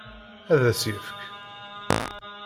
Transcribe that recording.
Ad as-t-yefk?